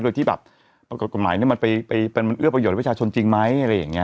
โดยที่แบบกฎหมายนั้นมันไปประโยชน์ในประชาชนจริงไหม